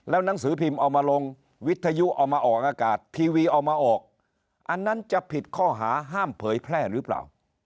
หนังสือพิมพ์เอามาลงวิทยุเอามาออกอากาศทีวีเอามาออกอันนั้นจะผิดข้อหาห้ามเผยแพร่หรือเปล่า